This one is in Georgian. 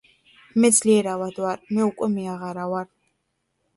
მე ძლიერ ავად ვარ, მე უკვე მე აღარა ვარ.